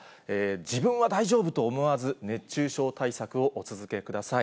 自分は大丈夫と思わず、熱中症対策をお続けください。